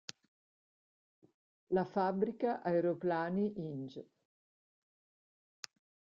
La Fabbrica Aeroplani Ing.